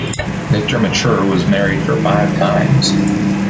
Victor Mature was married for five times.